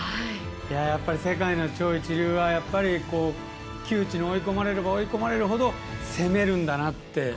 やっぱり世界の超一流は窮地に追い込まれれば追い込まれるほど攻めるんだなって。